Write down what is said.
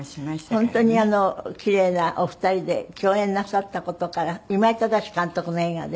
本当にキレイなお二人で共演なさった事から今井正監督の映画で？